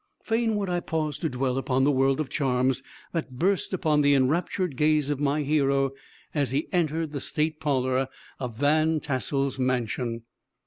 Fain would I pause to dwell upon the world of charms that burst upon the enraptured gaze of my hero, as he entered the state parlor of Van Tassel's mansion.